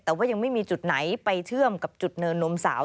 แต่ว่ายังไม่มีจุดไหนไปเชื่อมกับจุดเนินนมสาว